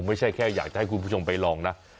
ไม่ใช่แค่อยากจะให้คุณผู้ชมไปลองนะ